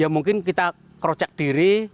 mungkin kita kerocek diri